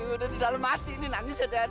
udah di dalam hati ini nangis ya den